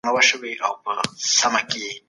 کرنيز محصولات بهرنيو بازارونو ته صادريږي.